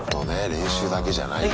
練習だけじゃないんだ。